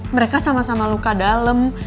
mereka sama sama luka dalam